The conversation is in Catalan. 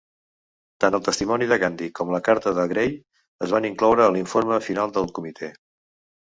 Tant el testimoni de Gandy com la carta de Gray es van incloure a l'informe final del comitè.